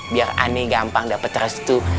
biar aneh gampang dapat terus tuh